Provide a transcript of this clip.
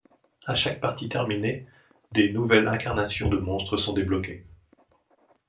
À chaque partie terminée, des nouvelles incarnations de monstres sont débloqués.